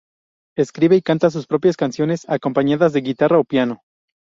Escribe y canta sus propias canciones, acompañadas de guitarra o piano.